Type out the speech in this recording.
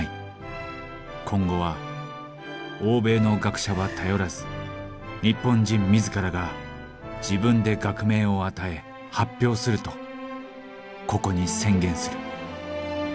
今後は欧米の学者は頼らず日本人自らが自分で学名を与え発表するとここに宣言する」。